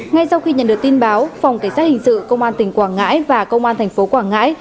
ngay sau khi nhận được tin báo phòng cảnh sát hình sự công an tỉnh quảng ngãi và công an thành phố quảng ngãi